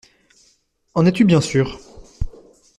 En es-tu bien sûr?